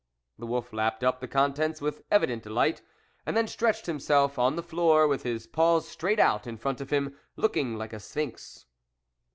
The wolf lapped up the contents with evident delight, and then stretched himself on the floor with his paws straight out in front of him, looking like a sphinx.